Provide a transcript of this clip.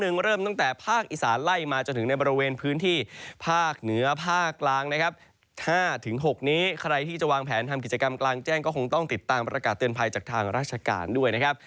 เริ่มตั้งแต่ภาคอีสานไล่มาจนถึงในบริเวณพื้นที่ภาคเหนือภาคกลางนะครับ๕๖นี้ใครที่จะวางแผนทำกิจกรรมกลางแจ้งก็คงต้องติดตามประกาศเตือนภัยจากทางราชการด้วยนะครับ